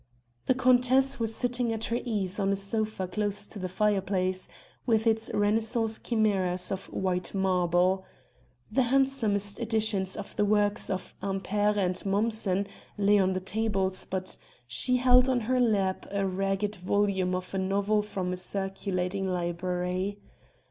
The countess was sitting at her ease on a sofa close to the fire place, with its Renaissance chimaeras of white marble. The handsomest editions of the works of Ampère and Mommsen lay on the tables, but she held on her lap a ragged volume of a novel from a circulating library.